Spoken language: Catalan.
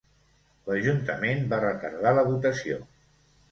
L'ajuntament va retardar la votació.